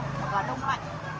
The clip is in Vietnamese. mặt gà đông lạnh